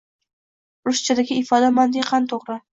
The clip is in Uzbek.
Ruschadagi ifoda mantiqan toʻgʻri